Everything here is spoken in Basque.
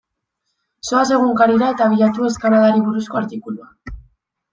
Zoaz egunkarira eta bilatu eskaladari buruzko artikulua.